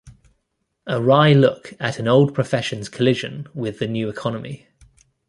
A wry look at an old profession's collision with the new economy.